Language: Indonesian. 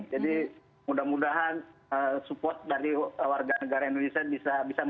jadi mudah mudahan support dari warga negara indonesia bisa membangkitkan semangat untuk final yang akan bertanding nanti malam